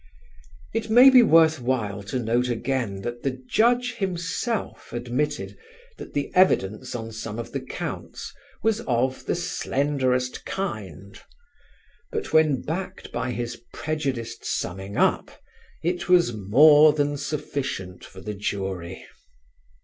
It may be worth while to note again that the Judge himself admitted that the evidence on some of the counts was of "the slenderest kind"; but, when backed by his prejudiced summing up, it was more than sufficient for the jury.